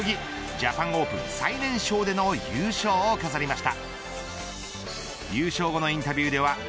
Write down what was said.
ジャパンオープン最年少での優勝を飾りました。